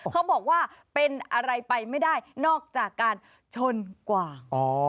เขาบอกว่าเป็นอะไรไปไม่ได้นอกจากการชนกว่าง